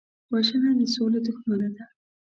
وژنه د سولې دښمنه ده